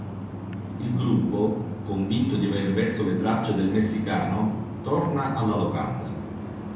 Il gruppo, convinto di aver perso le tracce del messicano, torna alla locanda.